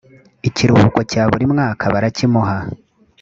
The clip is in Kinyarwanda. ikiruhuko cya buri mwaka barakimuha